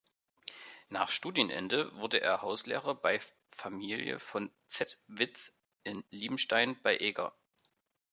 Nach Studienende wurde er Hauslehrer bei Familie von Zedtwitz in Liebenstein bei Eger.